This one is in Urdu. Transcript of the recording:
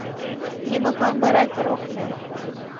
یہ مکان برائے فروخت ہے